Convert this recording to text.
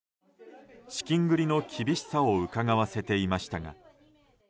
資金繰りの厳しさをうかがわせていましたが。